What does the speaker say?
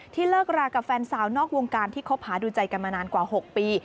เลิกรากับแฟนสาวนอกวงการที่คบหาดูใจกันมานานกว่า๖ปี